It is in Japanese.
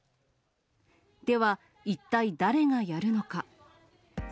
では、一体誰がやるのか。